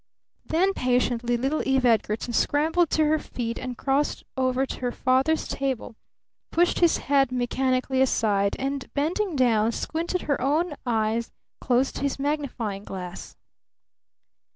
Then, patiently, little Eve Edgarton scrambled to her feet and, crossing over to her father's table, pushed his head mechanically aside and, bending down, squinted her own eye close to his magnifying glass.